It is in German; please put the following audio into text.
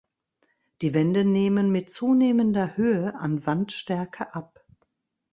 Die Wände nehmen mit zunehmender Höhe an Wandstärke ab.